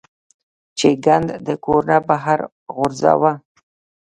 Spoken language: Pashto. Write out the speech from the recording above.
چې ګند د کور نه بهر غورځوه -